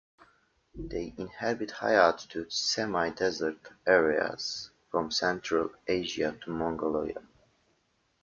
They inhabit high altitude semi-desert areas from central Asia to Mongolia.